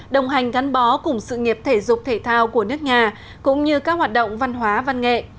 đồng hành gắn bó cùng sự nghiệp thể dục thể thao của nước nhà cũng như các hoạt động văn hóa văn nghệ